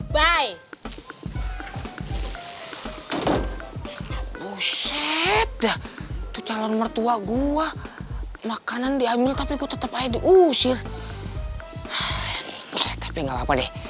buset calon mertua gua makanan diambil tapi gue tetap aja diusir tapi enggak apa deh